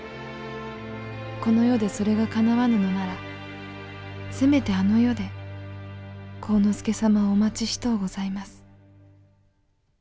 この世でそれが叶わぬのならせめてあの世で晃之助様をお待ちしとうございます。